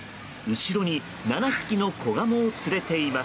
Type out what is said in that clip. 後ろに７匹の子ガモを連れています。